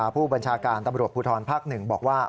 ผู้บัญชาการตำรวจภูทรภาค๑บอกว่า